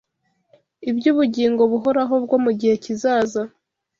iby’ubugingo buhoraho bwo mu gihe kizaza